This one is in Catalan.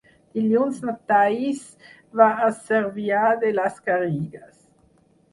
Dilluns na Thaís va a Cervià de les Garrigues.